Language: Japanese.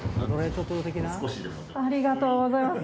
ありがとうございます。